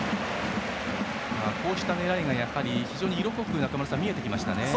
こうした狙いが非常に色濃く見えてきましたね。